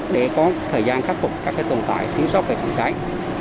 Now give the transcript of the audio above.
để có thời gian khắc phục các tồn tại thiếu sót về phòng cháy